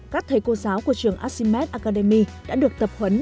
các thầy cô giáo của trường asimed academy đã được tập huấn